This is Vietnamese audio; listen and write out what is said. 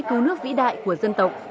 cứu nước vĩ đại của dân tộc